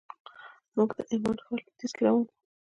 موږ د عمان ښار لویدیځ کې روان یو.